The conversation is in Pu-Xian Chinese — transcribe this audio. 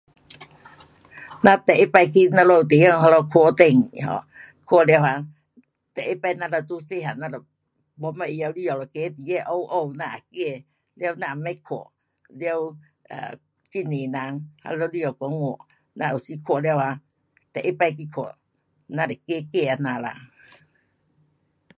咱第一次去咱们地方那里看电影 um 看了 um 第一次咱们做小个咱就没什么会晓去哪一个，进去黑黑，咱也怕。了咱也【不曾】看，了还多人那在里下讲话，咱有时看了啊，第一次去看，咱就怕怕这样呐。